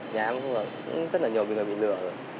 nhà em cũng rất là nhiều người bị lừa rồi